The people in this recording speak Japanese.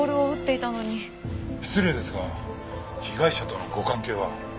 失礼ですが被害者とのご関係は？